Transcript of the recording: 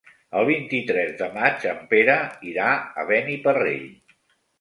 El vint-i-tres de maig en Pere irà a Beniparrell.